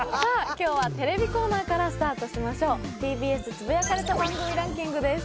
今日はテレビコーナーからスタートしましょうＴＢＳつぶやかれた番組ランキングです